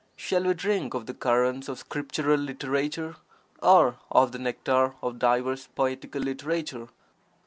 Shall we drink of the currents of scriptural literature, or of the nectar of diverse poetical literature?